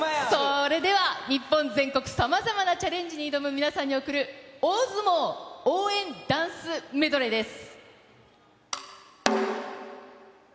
それでは、日本全国さまざまなチャレンジに挑む皆さんに送る大相撲応援ダンスメドレーです。